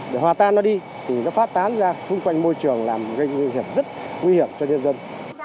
để hòa tan nó đi thì nó phát tán ra xung quanh môi trường làm gây nguy hiểm rất nguy hiểm cho nhân dân